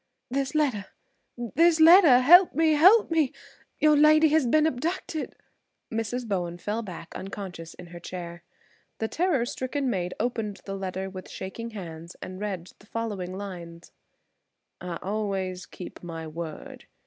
"This letter–this letter! Help me–help me! Your lady has been abducted!" Mrs. Bowen fell back unconscious in her chair. The terror stricken maid opened the letter with shaking hands and read the following lines: "I always keep my word.